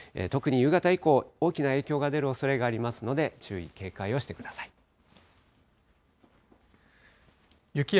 特に夕方以降、大きな影響が出るおそれがありますので、注意、警戒をしてください。